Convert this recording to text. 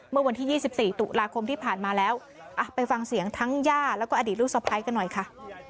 เมื่อวันที่๒๔ตุลาคมที่ผ่านมาแล้วไปฟังเสียงทั้งย่าแล้วก็อดีตลูกสะพ้ายกันหน่อยค่ะ